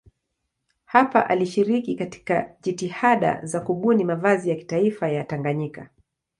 Hapa alishiriki katika jitihada za kubuni mavazi ya kitaifa ya Tanganyika.